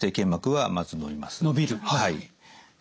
はい。